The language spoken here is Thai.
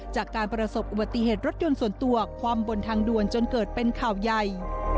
จากการประสบอุบัติเหตุรถยนต์ส่วนตัวคว่ำบนทางด่วนจนเกิดเป็นข่าวใหญ่